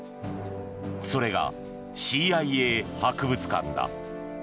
それがＣＩＡ博物館だ。